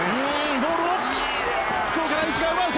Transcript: ボールを福岡第一が奪うか。